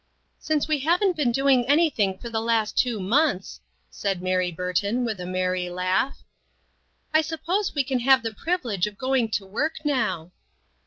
"Since we haven't been doing anything for the last two months," said Mary Bur ton, with a merry laugh, " I suppose we can have the privilege of going to work now."